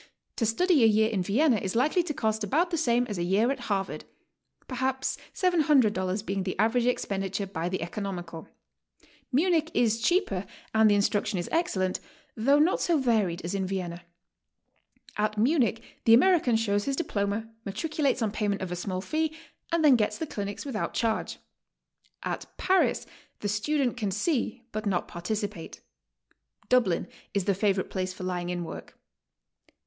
To study a year in Vienna is likely to cost about the same as a year at Harvard, — perhaps $700 being the average expend iture by the economical. Munich is cheaper and the instruc tion is excellent, though not so varied as in Vienna. At Munich the American shows his diploma, matriculates on payment of a small fee, and then gets the clinics without charge. At Paris the student can see but not participate. Dublin is the favorite place for lying in work.